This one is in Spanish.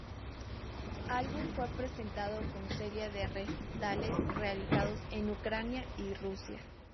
Álbum fue presentado con serie de recitales realizados en Ucrania y Rusia.